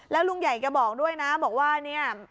แล้วลุงใหญ่แกบอกด้วยนะบอกว่าเนี่ย